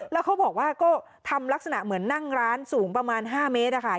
แล้วเขาบอกว่าก็ทำลักษณะเหมือนนั่งร้านสูงประมาณ๕เมตรอะค่ะ